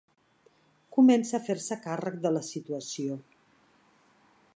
Comença a fer-se càrrec de la situació.